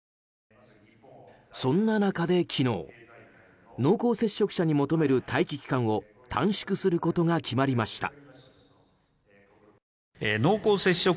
そんな中で昨日濃厚接触者に求める待機期間を短縮することが決まりました。